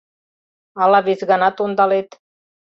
Ала вес ганат ондалет